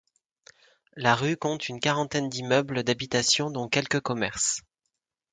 La rue compte une quarantaine d'immeubles d'habitation dont quelques commerces.